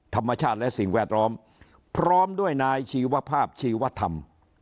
ธรรมชาติและสิ่งแวดล้อมพร้อมด้วยนายชีวภาพชีวธรรม